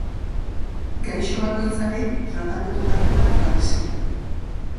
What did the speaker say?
Gaixo bakoitzari tratamendu jakin bat jarri zion.